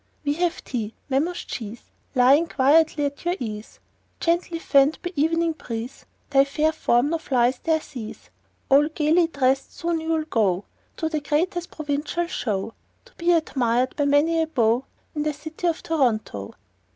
We have thee, mammoth cheese, Lying quietly at your ease; Gently fanned by evening breeze, Thy fair form no flies dare seize. All gaily dressed soon you'll go To the greatest provincial show, To be admired by many a beau In the city of Toronto.